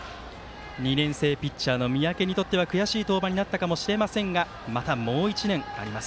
２年生ピッチャーの三宅にとっては悔しい登板になったかもしれませんがまだもう１年あります。